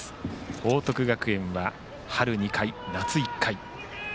報徳学園は春２回、夏１回。